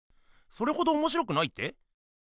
それほどおもしろくないって？